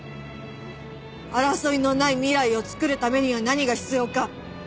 争いのない未来を作るためには何が必要か。